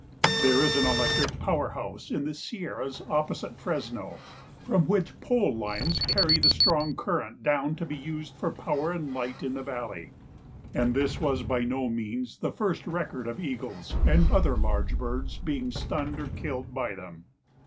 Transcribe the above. There is an electric power house in the Sierras opposite Fresno, from which pole lines carry the strong current down to be used for power and light in the valley, and this was by no means the first record of eagles and other large birds being stunned or killed by them.